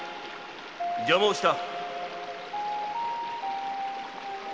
邪魔をした